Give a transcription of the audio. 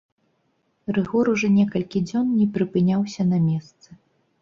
Рыгор ужо некалькі дзён не прыпыняўся на месцы.